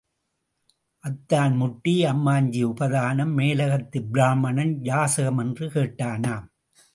அத்தான் முட்டி, அம்மாஞ்சி உபாதானம், மேலகத்துப் பிராம்மணன் யாசகமென்று கேட்டானாம்.